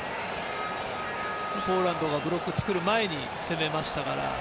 ポーランドがブロック作る前に攻めましたから。